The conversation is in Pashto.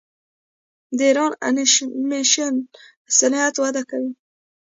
د ایران انیمیشن صنعت وده کوي.